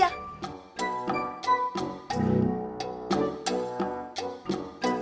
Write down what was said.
tidak ada yang bisa dipercaya